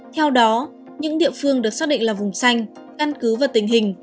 theo đó những địa phương được xác định là vùng xanh căn cứ và tình hình